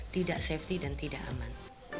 tidak safety dan tidak aman